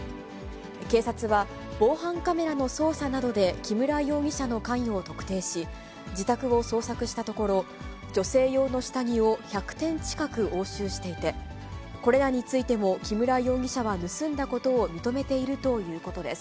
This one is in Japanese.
警察は、防犯カメラの捜査などで、木村容疑者の関与を特定し、自宅を捜索したところ、女性用の下着を１００点近く押収していて、これらについても木村容疑者は盗んだことを認めているということです。